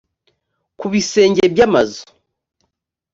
ku bisenge by amazu